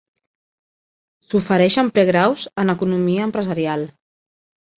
S'ofereixen pregraus en economia empresarial.